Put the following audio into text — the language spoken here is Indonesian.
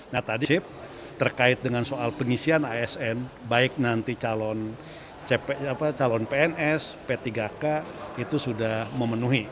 nah tadi terkait dengan soal pengisian asn baik nanti calon pns p tiga k itu sudah memenuhi